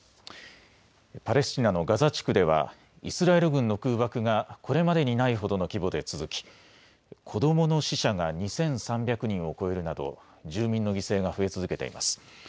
パレスチナのガザ地区ではイスラエル軍の空爆がこれまでにないほどの規模で続き子どもの死者が２３００人を超えるなど住民の犠牲が増え続けています。